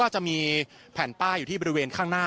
อเจมส์อ่อผมยังไม่รู้เลยเดี๋ยวต้องดู